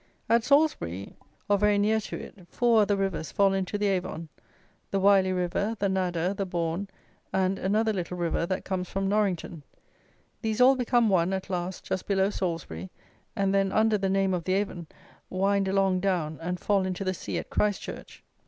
At Salisbury, or very near to it, four other rivers fall into the Avon the Wyly river, the Nadder, the Born, and another little river that comes from Norrington. These all become one, at last, just below Salisbury, and then, under the name of the Avon, wind along down and fall into the sea at Christchurch.